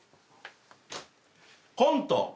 コント